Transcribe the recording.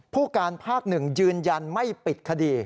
ผู้การภาค๑ยืนยันไม่ปิดคดี